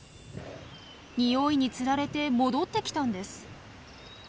ニオイにつられて戻ってきたんです。